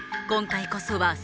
今回こそは。